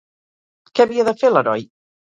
Què havia de fer l'heroi?